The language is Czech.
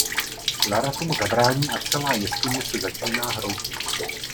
Lara tomu zabrání a celá jeskyně se začíná hroutit.